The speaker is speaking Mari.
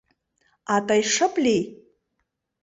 — А тый шып лий!